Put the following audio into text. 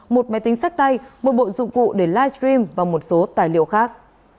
một máy tính sách tay một bộ dụng cụ để live stream và một số tài liệu khác